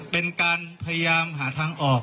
เป็นการพยายามหาทางออก